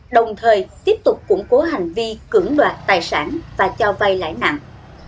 đồng thời tiếp tục củng cố hành vi cưỡng đoạt tài sản và cho vay lãi nặng